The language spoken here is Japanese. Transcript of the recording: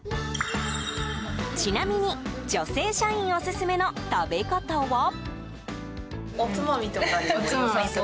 ちなみに女性社員オススメの食べ方は。